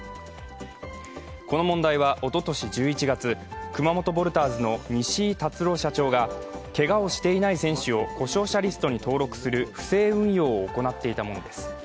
この問題はおととし１１月、熊本ヴォルターズの西井辰朗社長がけがをしていない選手を故障者リストに登録する不正運用を行っていたものです。